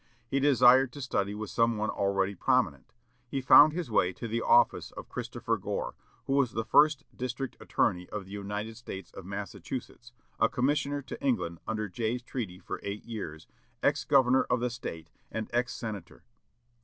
He desired to study with some one already prominent. He found his way to the office of Christopher Gore, who was the first district attorney of the United States for Massachusetts, a commissioner to England under Jay's treaty for eight years, Ex Governor of the State, and ex senator.